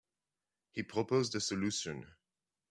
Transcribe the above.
He proposed a solution.